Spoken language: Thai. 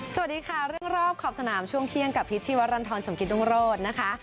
สวัสดีค่ะเรื่องรอบขอบสนามช่วงเที่ยงกับพิษชีวรรณฑรสมกิตรุงโรธนะคะ